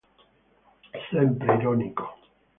Sempre ironico.